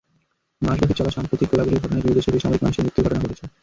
মাসব্যাপী চলা সাম্প্রতিক গোলাগুলির ঘটনায় দুই দেশেই বেসামরিক মানুষের মৃত্যুর ঘটনা ঘটেছে।